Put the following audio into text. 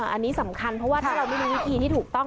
อันนี้สำคัญเพราะว่าถ้าเราไม่มีวิธีที่ถูกต้อง